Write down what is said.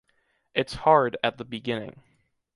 It’s hard at the beginning.